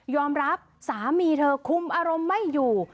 รับสามีเธอคุมอารมณ์ไม่อยู่